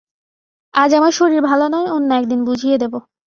আজ আমার শরীর ভাল নয়, অন্য একদিন বুঝিয়ে দেব।